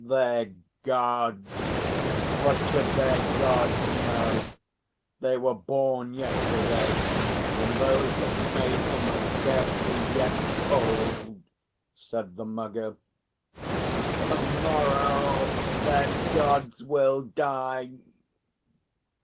"Their Gods! What should their Gods know? They were born yesterday, and those that made them are scarcely yet cold," said the Mugger. "To morrow their Gods will die."